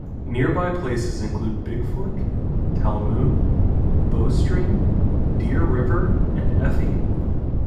Nearby places include Bigfork, Talmoon, Bowstring, Deer River, and Effie.